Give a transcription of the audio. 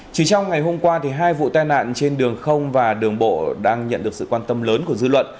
chỉ trong ngày hôm qua hai vụ tai nạn trên đường không và đường bộ đang nhận được sự quan tâm lớn của dư luận